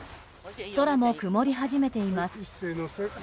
空も曇り始めています。